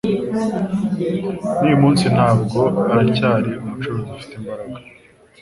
n'uyu munsi nabwo aracyari Umucunguzi ufite imbaraga.